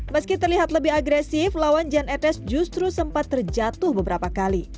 meski terlihat lebih agresif lawan jan etes justru sempat terjatuh beberapa kali